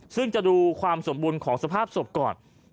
ซึ่งจะดูความสมบูรณ์ของสภาพศพก่อน